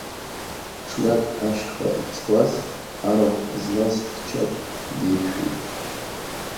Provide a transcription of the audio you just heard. Ҽнак ашьха ицуаз, арахә змаз хьчак диқәшәеит.